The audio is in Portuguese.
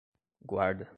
guarda